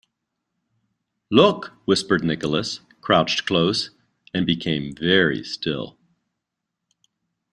“Look!” whispered Nicholas, crouched close, and became very still.